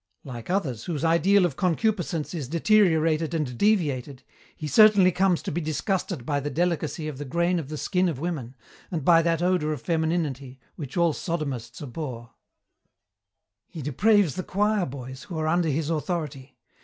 Like others whose ideal of concupiscence is deteriorated and deviated, he certainly comes to be disgusted by the delicacy of the grain of the skin of women and by that odour of femininity which all sodomists abhor. "He depraves the choir boys who are under his authority.